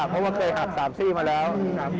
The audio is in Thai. เพราะว่าเคยหัก๓ซี่มาแล้ว